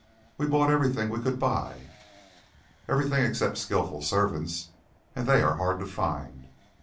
We bought everything we' could buy " "Everything except skillful servants, and they are hard to find.